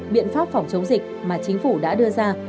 biện pháp phòng chống dịch mà chính phủ đã đưa ra